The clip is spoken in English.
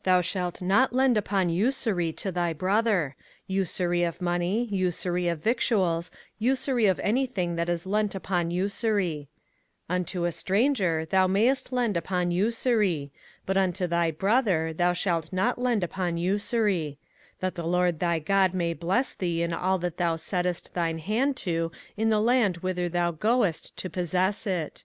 05:023:019 Thou shalt not lend upon usury to thy brother; usury of money, usury of victuals, usury of any thing that is lent upon usury: 05:023:020 Unto a stranger thou mayest lend upon usury; but unto thy brother thou shalt not lend upon usury: that the LORD thy God may bless thee in all that thou settest thine hand to in the land whither thou goest to possess it.